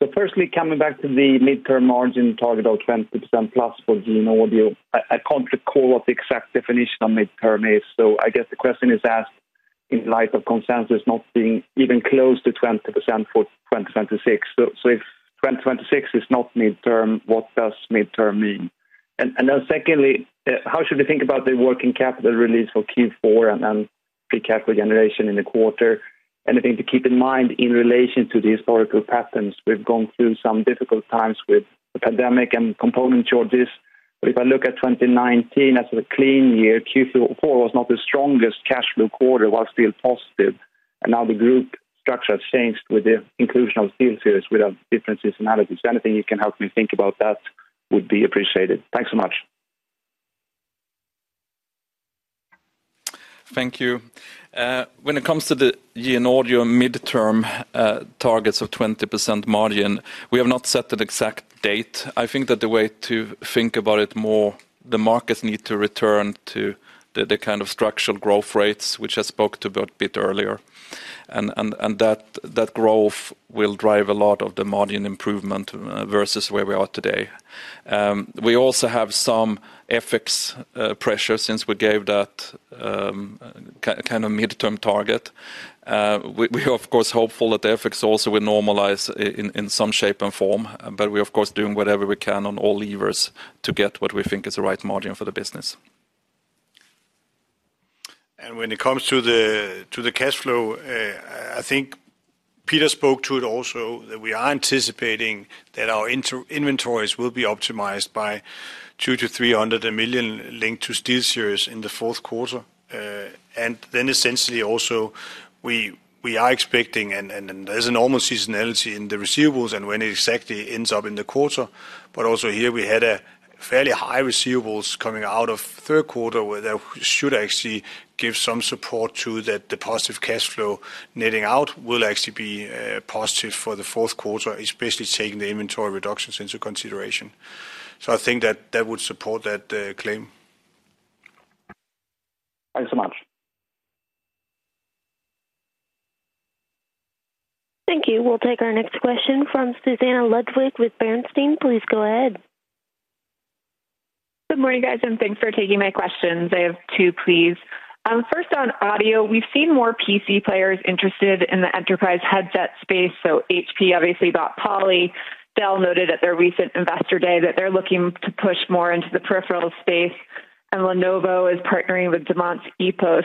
So firstly, coming back to the midterm margin target of 20%+ for GN Audio. I can't recall what the exact definition of midterm is, so I guess the question is asked in light of consensus not being even close to 20% for 2026. So if 2026 is not midterm, what does midterm mean? And then secondly, how should we think about the working capital release for Q4 and then free cash flow generation in the quarter? Anything to keep in mind in relation to the historical patterns? We've gone through some difficult times with the pandemic and component shortages, but if I look at 2019 as a clean year, Q4 was not the strongest cash flow quarter, while still positive, and now the group structure has changed with the inclusion of SteelSeries without different seasonalities. Anything you can help me think about that would be appreciated. Thanks so much. Thank you. When it comes to the GN Audio midterm targets of 20% margin, we have not set an exact date. I think that the way to think about it more, the markets need to return to the kind of structural growth rates, which I spoke to about a bit earlier. That growth will drive a lot of the margin improvement versus where we are today. We also have some FX pressure since we gave that kind of midterm target. We are, of course, hopeful that the FX also will normalize in some shape and form, but we are, of course, doing whatever we can on all levers to get what we think is the right margin for the business. When it comes to the cash flow, I think Peter spoke to it also, that we are anticipating that our inventories will be optimized by 200 million-300 million linked to SteelSeries in the fourth quarter. And then essentially also, we are expecting, and there's a normal seasonality in the receivables and when it exactly ends up in the quarter. But also here, we had a fairly high receivables coming out of third quarter, where that should actually give some support to that the positive cash flow netting out will actually be positive for the fourth quarter, especially taking the inventory reductions into consideration. So I think that that would support that claim. Thanks so much. Thank you. We'll take our next question from Susannah Ludwig with Bernstein. Please go ahead. Good morning, guys, and thanks for taking my questions. I have two, please. First on audio, we've seen more PC players interested in the enterprise headset space, so HP obviously bought Poly. Dell noted at their recent Investor Day that they're looking to push more into the peripheral space, and Lenovo is partnering with Demant's EPOS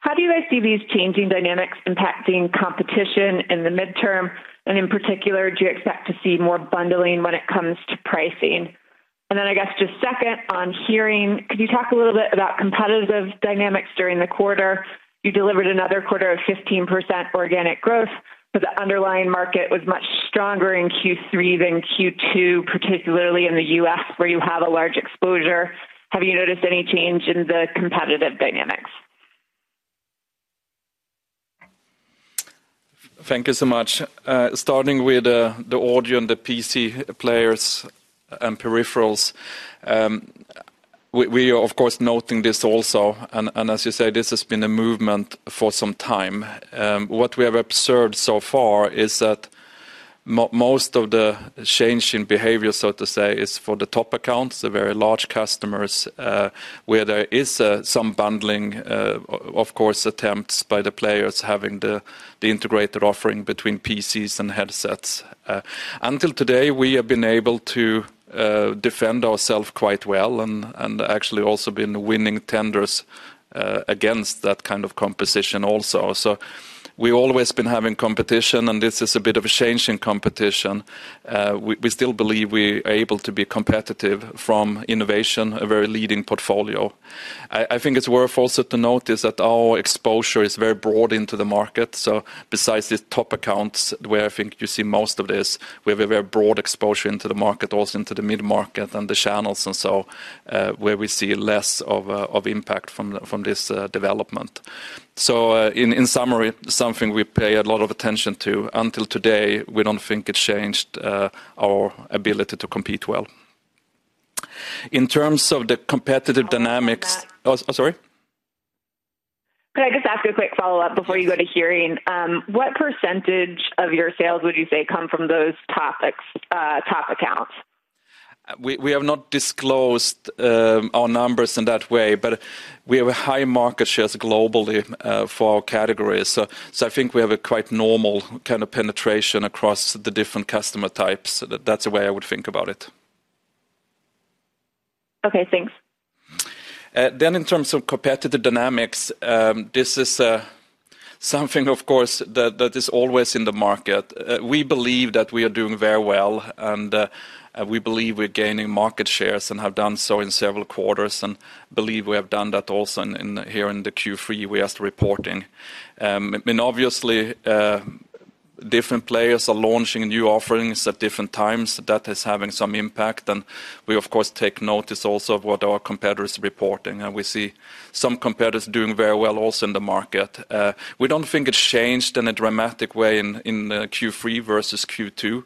How do you guys see these changing dynamics impacting competition in the midterm, and in particular, do you expect to see more bundling when it comes to pricing? And then I guess just second, on hearing, could you talk a little bit about competitive dynamics during the quarter? You delivered another quarter of 15% organic growth, but the underlying market was much stronger in Q3 than Q2, particularly in the U.S., where you have a large exposure. Have you noticed any change in the competitive dynamics? Thank you so much. Starting with the audio and the PC players and peripherals, we are, of course, noting this also, and as you say, this has been a movement for some time. What we have observed so far is that most of the change in behavior, so to say, is for the top accounts, the very large customers, where there is some bundling, of course, attempts by the players having the integrated offering between PCs and headsets. Until today, we have been able to defend ourselves quite well and actually also been winning tenders against that kind of composition also. So we've always been having competition, and this is a bit of a change in competition. We still believe we are able to be competitive from innovation, a very leading portfolio. I think it's worth also to notice that our exposure is very broad into the market. So besides the top accounts, where I think you see most of this, we have a very broad exposure into the market, also into the mid-market and the channels and so, where we see less of impact from this development. So, in summary, something we pay a lot of attention to. Until today, we don't think it's changed, our ability to compete well. In terms of the competitive dynamics- Follow up on that. Oh, sorry? Could I just ask a quick follow-up before you go to hearing? What percentage of your sales would you say come from those topics, top accounts? ... We have not disclosed our numbers in that way, but we have a high market shares globally for our categories. So I think we have a quite normal kind of penetration across the different customer types. That's the way I would think about it. Okay, thanks. Then in terms of competitive dynamics, this is something, of course, that is always in the market. We believe that we are doing very well, and we believe we're gaining market shares and have done so in several quarters, and believe we have done that also in here in the Q3 we are reporting. I mean, obviously, different players are launching new offerings at different times. That is having some impact, and we, of course, take notice also of what our competitors are reporting. And we see some competitors doing very well also in the market. We don't think it's changed in a dramatic way in Q3 versus Q2.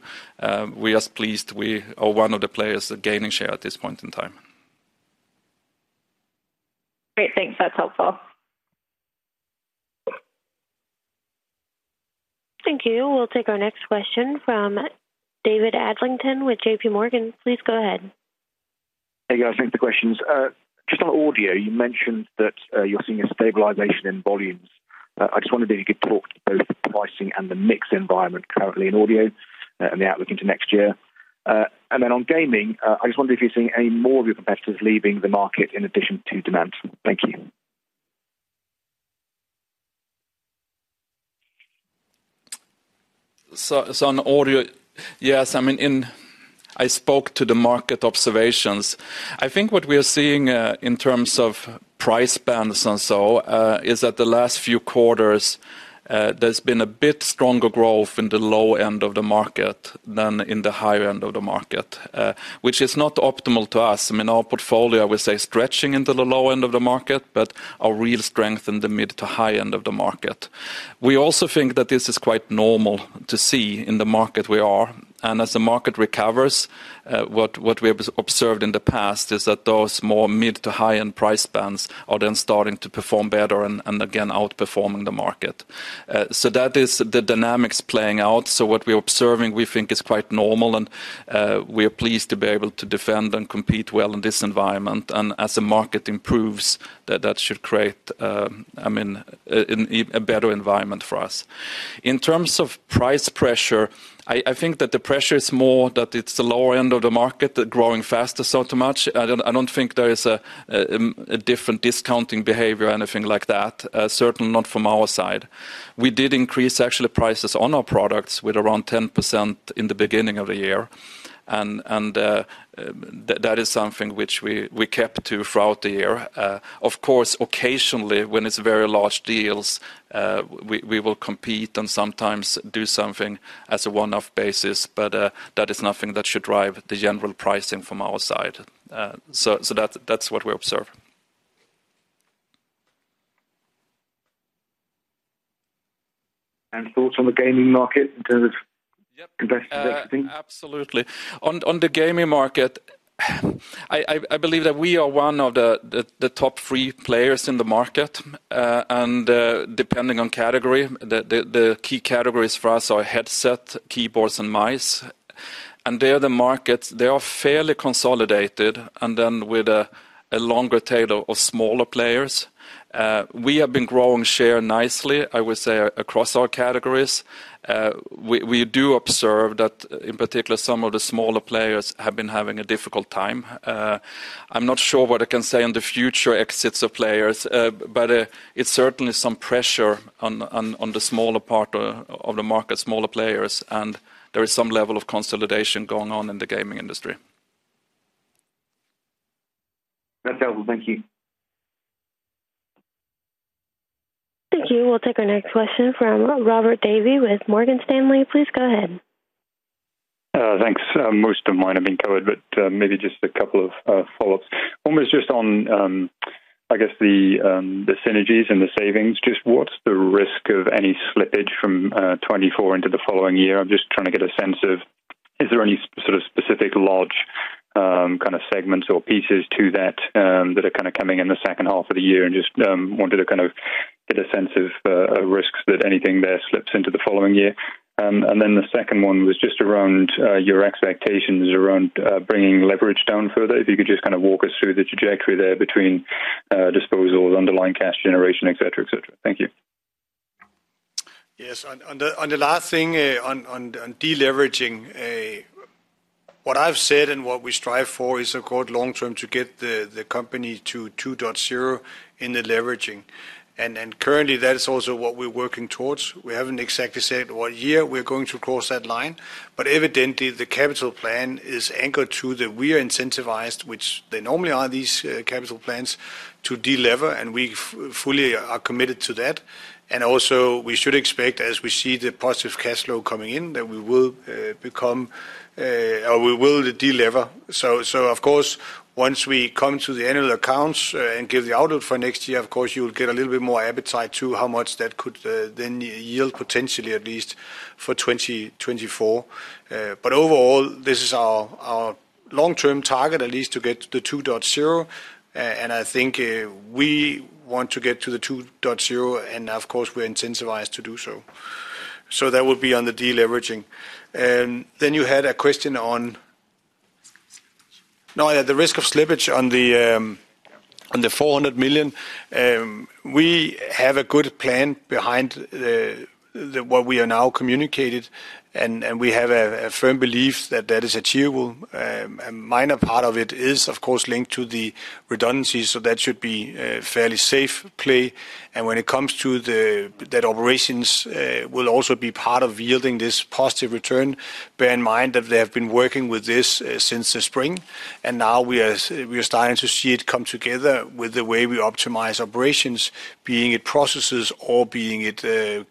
We are pleased. We are one of the players gaining share at this point in time. Great, thanks. That's helpful. Thank you. We'll take our next question from David Adlington with JPMorgan. Please go ahead. Hey, guys, thanks for the questions. Just on audio, you mentioned that, you're seeing a stabilization in volumes. I just wondered if you could talk to both the pricing and the mix environment currently in audio, and the outlook into next year? And then on gaming, I just wonder if you're seeing any more of your competitors leaving the market in addition to demand. Thank you. So, on audio, yes, I mean, I spoke to the market observations. I think what we are seeing in terms of price bands and so is that the last few quarters there's been a bit stronger growth in the low end of the market than in the high end of the market, which is not optimal to us. I mean, our portfolio, I would say, stretching into the low end of the market, but our real strength in the mid to high end of the market. We also think that this is quite normal to see in the market we are, and as the market recovers, what we have observed in the past is that those more mid to high end price bands are then starting to perform better and again, outperforming the market. So that is the dynamics playing out. So what we are observing, we think is quite normal, and we are pleased to be able to defend and compete well in this environment. And as the market improves, that should create, I mean, a better environment for us. In terms of price pressure, I think that the pressure is more, that it's the lower end of the market, they're growing faster, so too much. I don't think there is a different discounting behavior or anything like that, certainly not from our side. We did increase actually prices on our products with around 10% in the beginning of the year, and that is something which we kept to throughout the year. Of course, occasionally, when it's very large deals, we will compete and sometimes do something as a one-off basis, but that is nothing that should drive the general pricing from our side. So that, that's what we observe. Thoughts on the gaming market in terms of? Yep. Investors, everything? Absolutely. On the gaming market, I believe that we are one of the top three players in the market, and depending on category. The key categories for us are headsets, keyboards, and mice. And they are the markets. They are fairly consolidated, and then with a longer tail or smaller players. We have been growing share nicely, I would say, across our categories. We do observe that, in particular, some of the smaller players have been having a difficult time. I'm not sure what I can say in the future exits of players, but it's certainly some pressure on the smaller part of the market, smaller players, and there is some level of consolidation going on in the gaming industry. That's helpful. Thank you. Thank you. We'll take our next question from Robert Davies with Morgan Stanley. Please go ahead. Thanks. Most of mine have been covered, but maybe just a couple of follow-ups. One was just on, I guess the synergies and the savings. Just what's the risk of any slippage from 2024 into the following year? I'm just trying to get a sense of, is there any sort of specific large kind of segments or pieces to that that are kind of coming in the second half of the year? And just wanted to kind of get a sense of risks that anything there slips into the following year. And then the second one was just around your expectations around bringing leverage down further. If you could just kind of walk us through the trajectory there between disposals, underlying cash generation, et cetera, et cetera. Thank you. Yes, on the last thing, on deleveraging, what I've said and what we strive for is, of course, long term, to get the company to 2.0 in the leveraging. And currently, that is also what we're working towards. We haven't exactly said what year we're going to cross that line, but evidently, the capital plan is anchored to that we are incentivized, which they normally are, these capital plans to delever, and we fully are committed to that. And also, we should expect, as we see the positive cash flow coming in, that we will become, or we will delever. So, so of course, once we come to the annual accounts, and give the outlook for next year, of course, you'll get a little bit more appetite to how much that could, then yield potentially at least for 2024. But overall, this is our, our long-term target, at least to get to the 2.0, and I think, we want to get to the 2.0, and of course, we're incentivized to do so.... So that would be on the deleveraging. And then you had a question on, now, the risk of slippage on the 400 million. We have a good plan behind the, what we have now communicated, and, and we have a, a firm belief that that is achievable. A minor part of it is, of course, linked to the redundancy, so that should be a fairly safe play. And when it comes to that operations will also be part of yielding this positive return, bear in mind that they have been working with this since the spring, and now we are, we are starting to see it come together with the way we optimize operations, being it processes or being it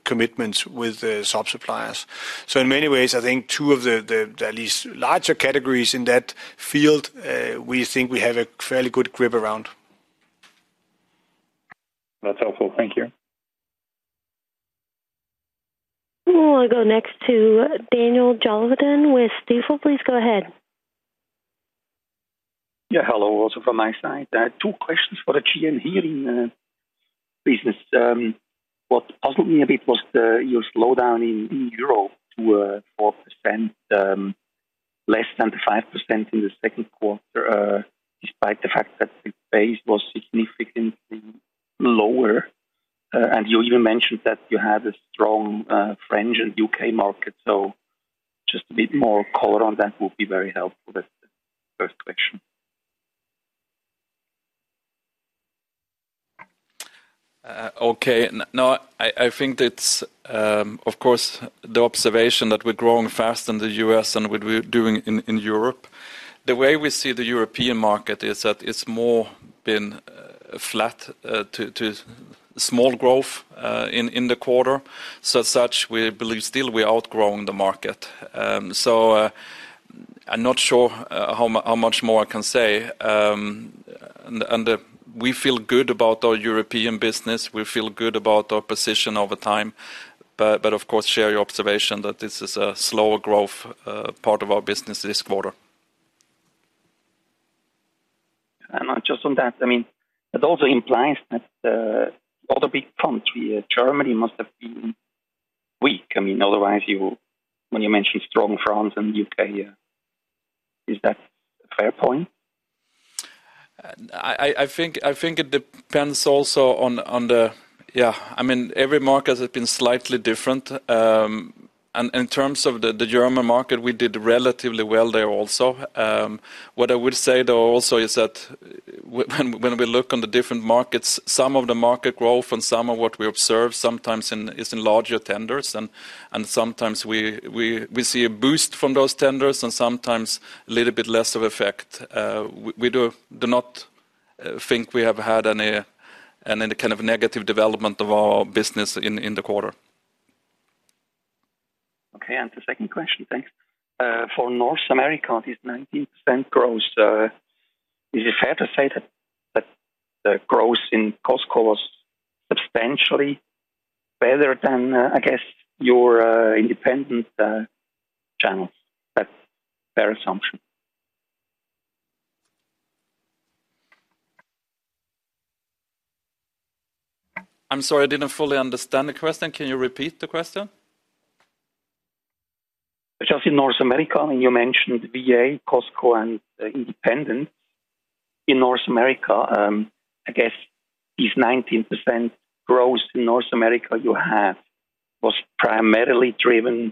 commitments with the sub-suppliers. So in many ways, I think two of the at least larger categories in that field, we think we have a fairly good grip around. That's helpful. Thank you. We'll go next to Daniel Jelovcan with Stifel. Please go ahead. Yeah, hello, also from my side. I have two questions for the GN Hearing business. What puzzled me a bit was your slowdown in Europe to 4%, less than the 5% in the second quarter, despite the fact that the base was significantly lower. And you even mentioned that you had a strong French and UK market, so just a bit more color on that would be very helpful. That's the first question. Okay. No, I think it's, of course, the observation that we're growing fast in the U.S. than we're doing in Europe. The way we see the European market is that it's more been flat to small growth in the quarter. So as such, we believe still we're outgrowing the market. I'm not sure how much more I can say. We feel good about our European business. We feel good about our position over time, but of course, share your observation that this is a slower growth part of our business this quarter. Just on that, I mean, it also implies that other big country, Germany, must have been weak. I mean, otherwise, when you mention strong France and U.K., is that a fair point? I think it depends also on the. Yeah, I mean, every market has been slightly different, and in terms of the German market, we did relatively well there also. What I would say, though, also is that when we look on the different markets, some of the market growth and some of what we observe sometimes in is in larger tenders, and sometimes we see a boost from those tenders and sometimes a little bit less of effect. We do not think we have had any kind of negative development of our business in the quarter. Okay, and the second question, thanks. For North America, this 19% growth, is it fair to say that, that the growth in Costco was substantially better than, I guess, your independent channels? That's fair assumption. I'm sorry, I didn't fully understand the question. Can you repeat the question? Just in North America, and you mentioned VA, Costco, and independent. In North America, I guess, if 19% growth in North America you have, was primarily driven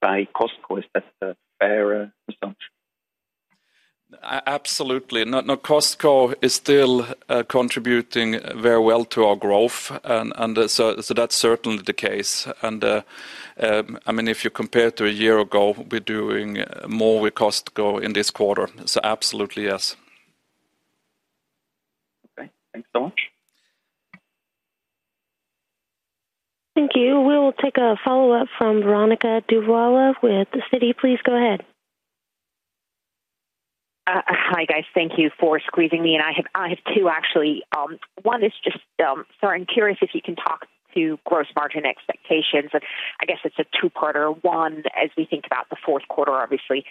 by Costco. Is that a fair assumption? Absolutely. No, no, Costco is still contributing very well to our growth, and so that's certainly the case. And, I mean, if you compare to a year ago, we're doing more with Costco in this quarter. So absolutely, yes. Okay. Thanks so much. Thank you. We'll take a follow-up from Veronika Dubajova with Citi. Please go ahead. Hi, guys. Thank you for squeezing me in. I have two, actually. One is just so I'm curious if you can talk to gross margin expectations, and I guess it's a two-parter. One, as we think about the fourth quarter, obviously,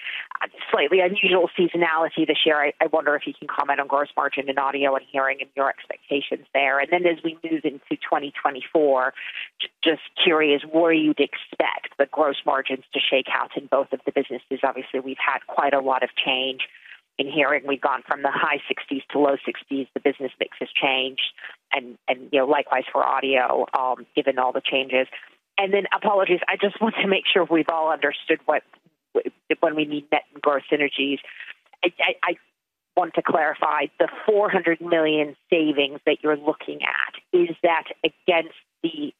a slightly unusual seasonality this year. I wonder if you can comment on gross margin and audio and hearing and your expectations there. And then as we move into 2024, just curious where you'd expect the gross margins to shake out in both of the businesses. Obviously, we've had quite a lot of change in hearing. We've gone from the high sixes to low sixes. The business mix has changed, and you know, likewise for audio, given all the changes. And then apologies, I just want to make sure we've all understood what, when we mean net and gross synergies. I want to clarify, the 400 million savings that you're looking at, is that against the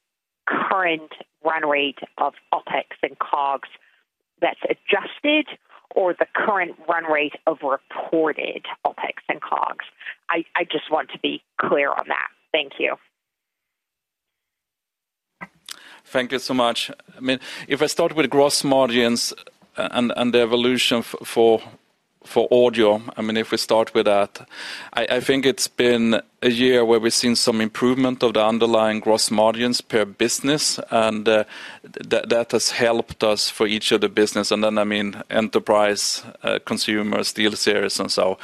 current run rate of OpEx and COGS that's adjusted or the current run rate of reported OpEx and COGS? I just want to be clear on that. Thank you. ...Thank you so much. I mean, if I start with gross margins and the evolution for audio, I mean, if we start with that, I think it's been a year where we've seen some improvement of the underlying gross margins per business, and that has helped us for each of the business. And then, I mean, enterprise, consumers, SteelSeries, and so.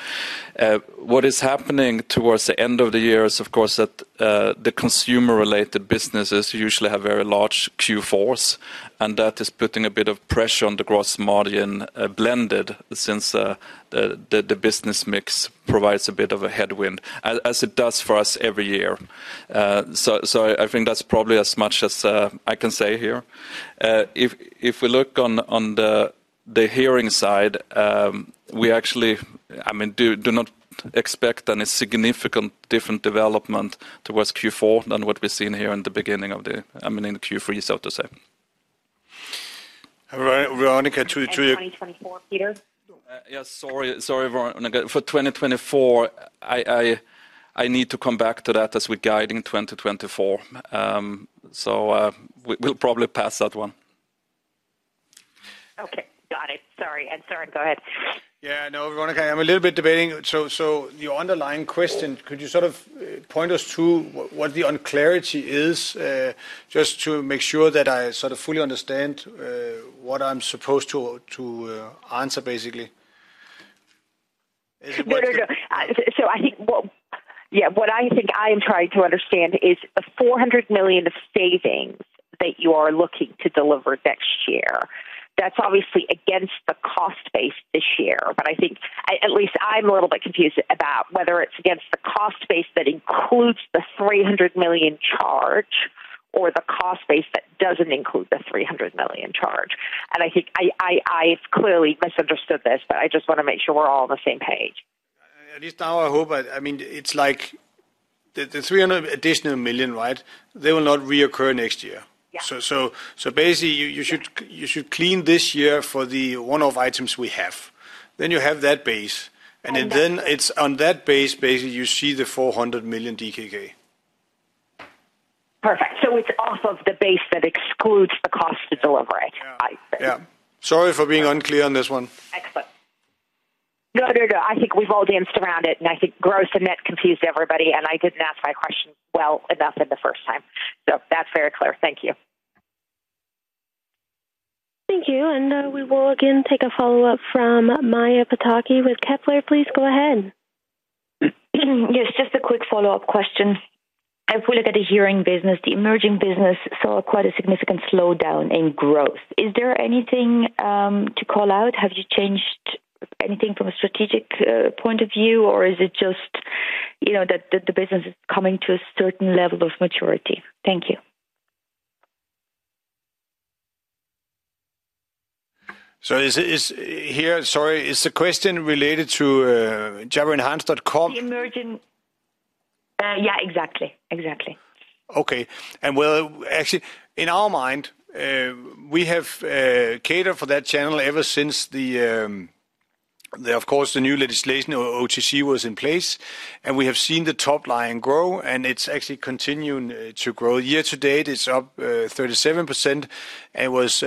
What is happening towards the end of the year is, of course, that the consumer-related businesses usually have very large Q4s, and that is putting a bit of pressure on the gross margin blended since the business mix provides a bit of a headwind, as it does for us every year. So I think that's probably as much as I can say here. If we look on the hearing side, we actually, I mean, do not expect any significant different development towards Q4 than what we've seen here in the beginning of the, I mean, in Q3, so to say. All right, Veronika, 2022 2024, Peter? Yes, sorry. Sorry, Veronica. For 2024, I need to come back to that as we guide in 2024. So, we'll probably pass that one. Okay, got it. Sorry. And Søren, go ahead. Yeah, no, Veronica, I'm a little bit debating. So, the underlying question, could you sort of point us to what the unclarity is, just to make sure that I sort of fully understand what I'm supposed to answer, basically? No, no, no. So I think what... Yeah, what I think I am trying to understand is the 400 million of savings that you are looking to deliver next year. That's obviously against the cost base this year, but I think I, at least I'm a little bit confused about whether it's against the cost base that includes the 300 million charge or the cost base that doesn't include the 300 million charge. And I think I, I, I've clearly misunderstood this, but I just wanna make sure we're all on the same page. At least now I hope, I mean, it's like the 300 additional million, right? They will not reoccur next year. Yeah. So basically you should clean this year for the one-off items we have. Then you have that base, and then- And then-... it's on that base, basically, you see the 400 million DKK. Perfect. So it's off of the base that excludes the cost to deliver it. Yeah. I see. Yeah. Sorry for being unclear on this one. Excellent. No, no, no. I think we've all danced around it, and I think gross and net confused everybody, and I didn't ask my question well enough in the first time. So that's very clear. Thank you. Thank you, and we will again take a follow-up from Maja Pataki with Kepler. Please go ahead. Yes, just a quick follow-up question. If we look at the hearing business, the emerging business saw quite a significant slowdown in growth. Is there anything to call out? Have you changed anything from a strategic point of view, or is it just, you know, that, that the business is coming to a certain level of maturity? Thank you. Sorry, is the question related to jabraenhance.com? Yeah, exactly. Exactly. Okay. Well, actually, in our mind, we have catered for that channel ever since, of course, the new legislation, OTC was in place, and we have seen the top line grow, and it's actually continuing to grow. Year to date, it's up 37%. It was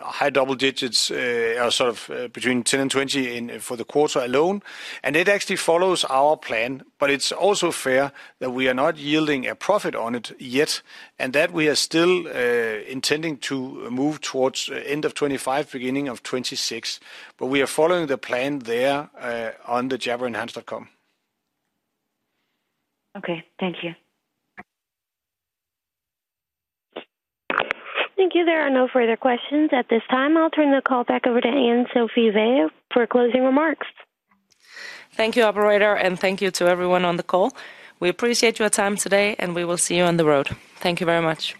high double digits, or sort of, between 10 and 20 in, for the quarter alone. It actually follows our plan, but it's also fair that we are not yielding a profit on it yet, and that we are still intending to move towards end of 2025, beginning of 2026. But we are following the plan there, jabraenhance.com. Okay. Thank you. Thank you. There are no further questions at this time. I'll turn the call back over to Anne Sofie Staunsbæk Veyhe for closing remarks. Thank you, operator, and thank you to everyone on the call. We appreciate your time today, and we will see you on the road. Thank you very much.